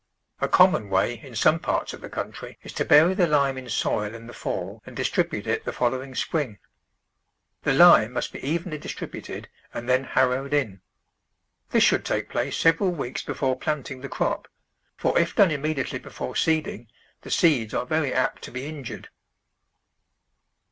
A common way in some parts of the coun try is to bury the lime in soil in the fall and dis tribute it the following spring. The lime must be evenly distributed and then harrowed in. This should take place several weeks before planting the crop, for if done immediately before seeding, the seeds are very apt to be injured.